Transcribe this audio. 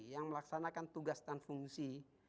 yang melaksanakan tugas dan fungsi